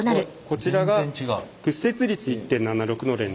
こちらが屈折率１．７６のレンズ。